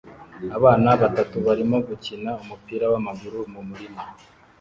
Abana batatu barimo gukina umupira wamaguru mu murima